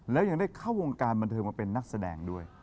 แล้วยังได้เข้าวงการบันเทิงมาเป็นนักแสดงด้วย